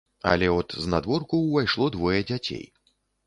Але от знадворку ўвайшло двое дзяцей.